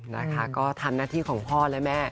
นะคะก็ทำหน้าที่ของพ่อและแม่